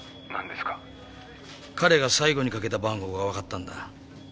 彼が最後にかけた番号が分かったんだ。